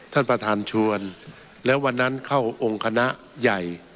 ท่านประธานชวนแล้ววันนั้นเข้าองค์คณะใหญ่